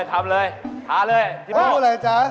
ถามเลยหาเลยอยู่ไม่รู้เลยจ้ะ